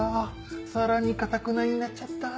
さらにかたくなになっちゃった。